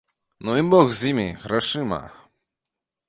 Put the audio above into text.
Ну і бог з імі, грашыма.